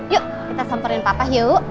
yuk kita samperin papa yuk